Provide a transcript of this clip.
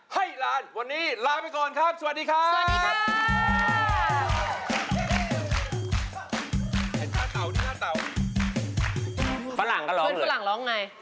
เพื่อนฝรั่งร้องไง